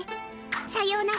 さようなら。